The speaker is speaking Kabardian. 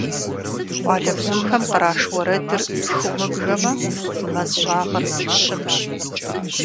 Къуалэбзухэм къраш уэрэдыр хыумыбжэмэ, мэз щӀагъыр щымщ.